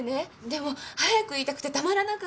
でも早く言いたくてたまらなかった。